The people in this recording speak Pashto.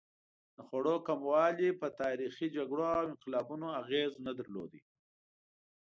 د خوړو کموالی په تاریخي جګړو او انقلابونو اغېز نه درلود.